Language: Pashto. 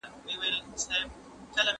پخوا په روسيه کي ملوک الطوايفي نظام واکمن و.